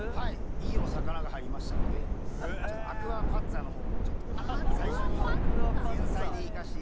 いいお魚が入りましたのでアクアパッツァの方をちょっと最初に前菜でいかせていただこうかな。